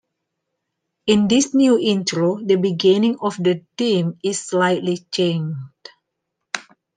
In this new intro, the beginning of the theme is slightly changed.